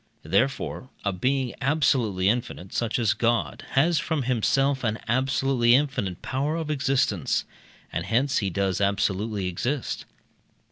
Therefore a being absolutely infinite, such as God, has from himself an absolutely infinite power of existence, and hence he does absolutely exist.